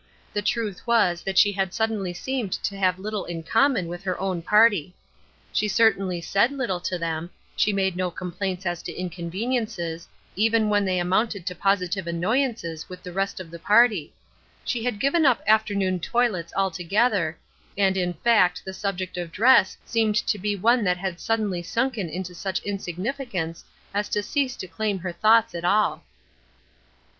The truth was that she had suddenly seemed to have little in common with her own party. She certainly said little to them; she made no complaints as to inconveniences, even when they amounted to positive annoyances with the rest of the party; she had given up afternoon toilets altogether, and in fact the subject of dress seemed to be one that had suddenly sunken into such insignificance as to cease to claim her thoughts at all.